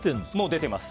出てます。